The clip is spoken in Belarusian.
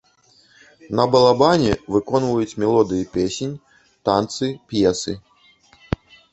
На балабане выконваюць мелодыі песень, танцы, п'есы.